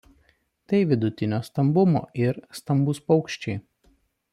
Tai vidutinio stambumo ir stambūs paukščiai.